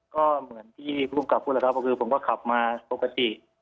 ก็เหมือนที่ภูมิกับพูดแล้วครับก็คือผมก็ขับมาปกติ